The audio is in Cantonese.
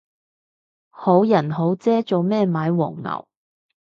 好人好姐做咩買黃牛